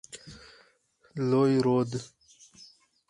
لوی رود.